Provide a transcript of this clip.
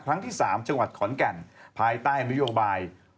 ครั้งที่๓จังหวัดขอนแก่นภายใต้นโยบาย